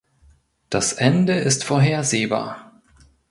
Das Ende ist vorhersehbar.